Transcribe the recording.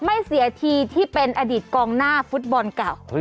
ไม่เสียทีที่เป็นอดีตกองหน้าฟุตบอลเก่า